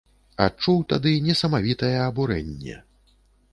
Адчуў тады несамавітае абурэнне!